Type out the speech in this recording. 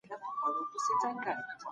د قران لارښوونې تعقيب کړئ.